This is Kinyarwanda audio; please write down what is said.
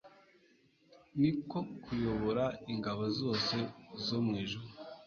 ni ko kuyobora ingabo zose zo mu ijuru